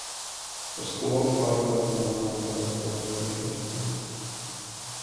Par skolas laiku atmiņā nav daudz paliekošu iespaidu.